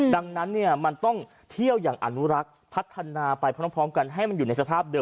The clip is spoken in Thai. ดังนั้นมันต้องเที่ยวอย่างอนุรักษ์พัฒนาไปพร้อมกันให้มันอยู่ในสภาพเดิ